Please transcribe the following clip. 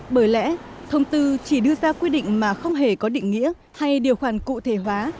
bởi lẽ thông tư chỉ đưa ra quy định mà không hề có định nghĩa hay điều khoản cụ thể hóa